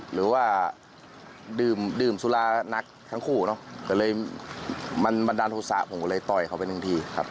หรือว่าดื่มสุรานักทั้งคู่เนอะมันดันโทรศาสตร์ผมก็เลยต่อยเขาไปหนึ่งทีครับ